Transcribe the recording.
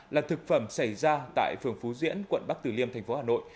là thực phẩm xảy ra tại phường phú diễn quận bắc tử liêm thành phố hà nội